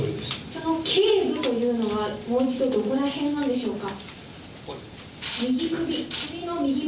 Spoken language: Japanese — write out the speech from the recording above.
そのけい部というのは、もう一度、どこらへんなんでしょうか？